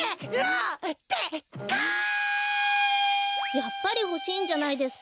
やっぱりほしいんじゃないですか。